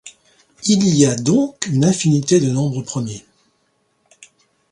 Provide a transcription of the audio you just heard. Il y a donc une infinité de nombres premiers.